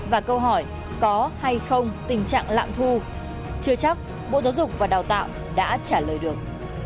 và câu hỏi có hay không tình trạng lạm thu chưa chắc bộ giáo dục và đào tạo đã trả lời được